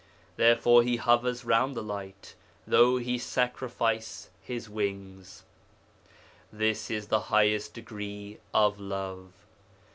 Therefore he hovers round the light, though he sacrifice his wings. This is the highest degree of love.